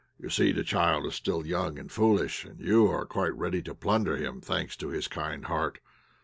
"You see the child is still young and foolish, and you are quite ready to plunder him, thanks to his kind heart.